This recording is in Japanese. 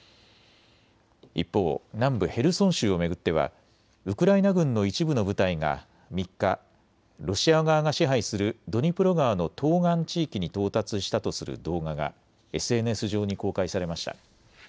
一方、南部ヘルソン州を巡ってはウクライナ軍の一部の部隊が３日、ロシア側が支配するドニプロ川の東岸地域に到達したとする動画がＳＮＳ上に公開されました。